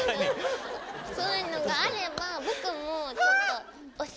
そういうのがあれば僕もちょっと教わりたいです。